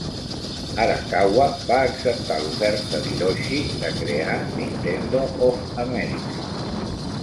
Arakawa va acceptar l'oferta d'Hiroshi de crear Nintendo of America.